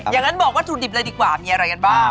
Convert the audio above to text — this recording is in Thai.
อย่างนั้นบอกวัตถุดิบเลยดีกว่ามีอะไรกันบ้าง